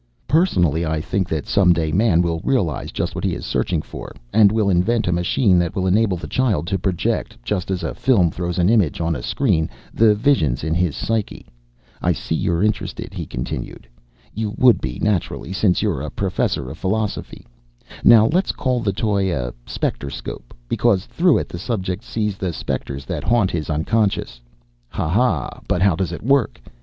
"Personally, I think that some day man will realize just what he is searching for and will invent a machine that will enable the child to project, just as a film throws an image on a screen, the visions in his psyche. "I see you're interested," he continued. "You would be, naturally, since you're a professor of philosophy. Now, let's call the toy a specterscope, because through it the subject sees the spectres that haunt his unconscious. Ha! Ha! But how does it work?